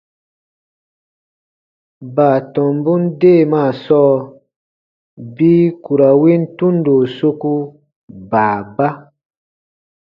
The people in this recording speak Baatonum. Baatɔmbun deemaa sɔɔ bii ku ra win tundo soku baaba.